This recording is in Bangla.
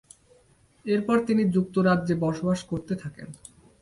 এরপর তিনি যুক্তরাজ্যে বসবাস করতে থাকেন।